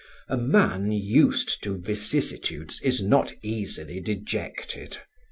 "A man used to vicissitudes is not easily dejected.